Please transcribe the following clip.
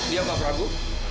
iya pak prabu